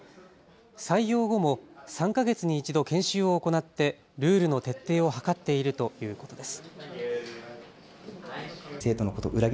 採用後も３か月に１度研修を行ってルールの徹底を図っているということです。